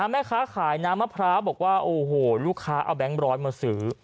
แม่ค้าขายน้ำมะพร้าวบอกว่าโอ้โหลูกค้าเอาแบงค์ร้อยมาซื้อ